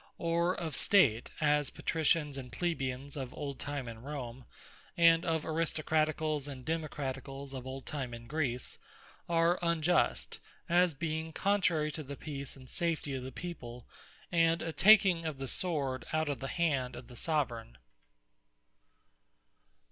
or of State, as Patricians, and Plebeians of old time in Rome, and of Aristocraticalls and Democraticalls of old time in Greece, are unjust, as being contrary to the peace and safety of the people, and a taking of the Sword out of the hand of the Soveraign.